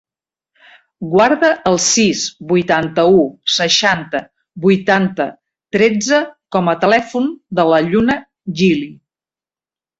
Guarda el sis, vuitanta-u, seixanta, vuitanta, tretze com a telèfon de la Lluna Gili.